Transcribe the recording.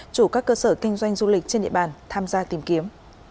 chủ các cơ sở kinh doanh du lịch trên địa bàn tham gia tìm kiếm